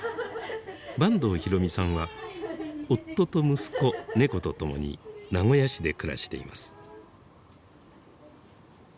坂東弘美さんは夫と息子猫と共に名古屋市で暮らしています。